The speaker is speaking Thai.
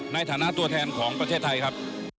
ในฐานะตัวแทนของประเทศไทยครับ